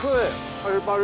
パリパリ。